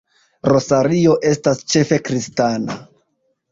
Rosario estas ĉefe kristana.